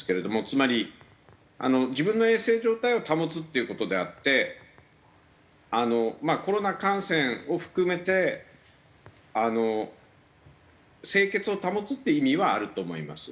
つまり自分の衛生状態を保つっていう事であってコロナ感染を含めて清潔を保つっていう意味はあると思います。